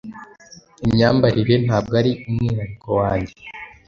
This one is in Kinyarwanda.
Imyambarire ntabwo ari umwihariko wanjye